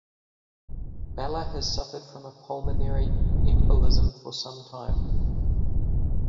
Bella has suffered from a pulmonary embolism for some time